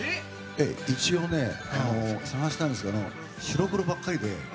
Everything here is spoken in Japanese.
一応ね、探したんですけど白黒ばっかりで。